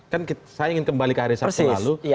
kan saya ingin kembali ke hari sabtu lalu